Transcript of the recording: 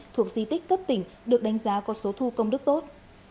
thuộc di tích cấp tỉnh được đánh giá có số thu công đức tốt